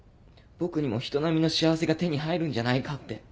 僕にも人並みの幸せが手に入るんじゃないかって。